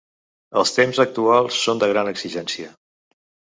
Els temps actuals són de gran exigència.